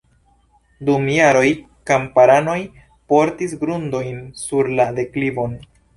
Dum jaroj kamparanoj portis grundojn sur la deklivon.